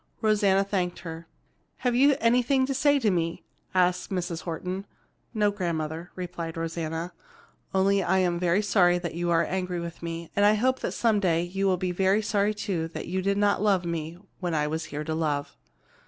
Rosanna thanked her. "Have you anything to say to me?" asked Mrs. Horton. "No, grandmother," replied Rosanna, "only that I am very sorry that you are angry with me, and I hope some day you will be sorry too that you did not love me when I was here to love."